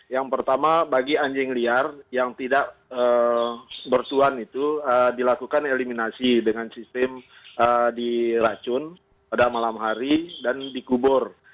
yang pertama bagi anjing liar yang tidak bertuan itu dilakukan eliminasi dengan sistem diracun pada malam hari dan dikubur